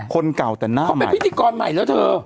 คนเก่าแต่หน้าเขาเป็นพิธีกรใหม่แล้วเธอ